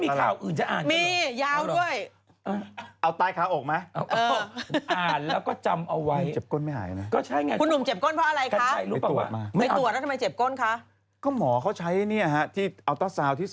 ไม่พูดใหญ่ก็เล่นได้